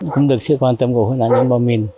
không được sự quan tâm của hội nạn nhân bom mỉn